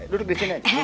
duduk di sini aja